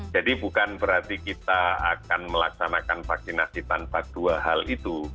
jadi bukan berarti kita akan melaksanakan vaksinasi tanpa dua hal itu